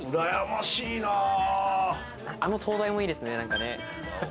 あの灯台もいいですね。